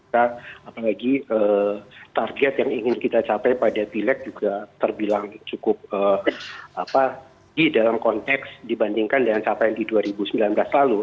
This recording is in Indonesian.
apalagi target yang ingin kita capai pada pileg juga terbilang cukup tinggi dalam konteks dibandingkan dengan capaian di dua ribu sembilan belas lalu